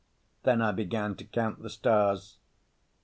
Then I began to count the stars.